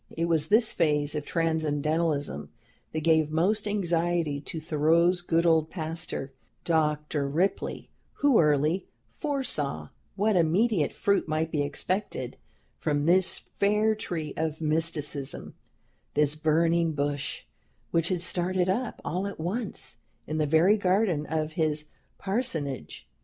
It was this phase of Transcendentalism that gave most anxiety to Thoreau's good old pastor, Dr. Ripley, who early foresaw what immediate fruit might be expected from this fair tree of mysticism, this "burning bush" which had started up, all at once, in the very garden of his parsonage.